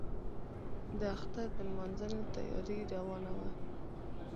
د اختر د لمانځنې تیاري روانه وه.